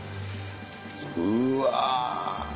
うわ！